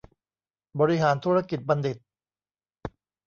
บริหารธุรกิจบัณฑิต